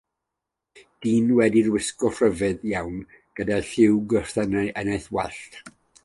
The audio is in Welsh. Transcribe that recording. Dyn wedi'i wisgo'n rhyfedd iawn, gyda lliw gwyrddi yn ei wallt.